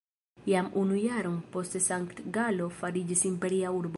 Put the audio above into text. Jam unu jaron poste Sankt-Galo fariĝis imperia urbo.